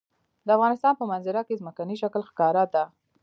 د افغانستان په منظره کې ځمکنی شکل ښکاره ده.